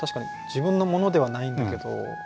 自分のものではないんだけど。